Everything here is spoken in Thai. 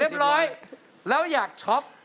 เรียบร้อยแล้วอยากช็อก